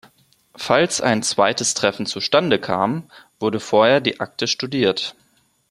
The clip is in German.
Falls ein zweites Treffen zustande kam, wurde vorher die Akte studiert.